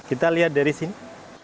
kita lihat dari sini